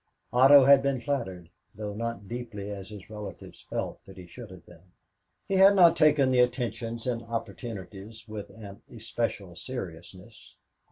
Otto had been flattered, though not so deeply as his relatives felt that he should have been. He had not taken the attentions and opportunities with an especial seriousness.